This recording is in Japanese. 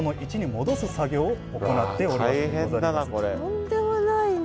とんでもないね。